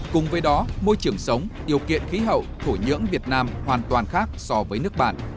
cùng với đó môi trường sống điều kiện khí hậu thổ nhưỡng việt nam hoàn toàn khác so với nước bạn